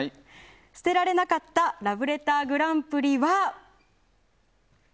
捨てられなかったラブレターグランプリは。